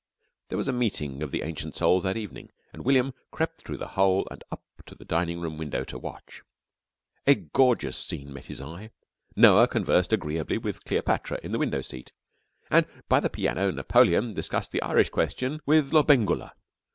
There was a meeting of the Ancient Souls that evening, and William crept through the hole and up to the dining room window to watch. A gorgeous scene met his eye. Noah conversed agreeably with Cleopatra in the window seat, and by the piano Napoleon discussed the Irish question with Lobengula.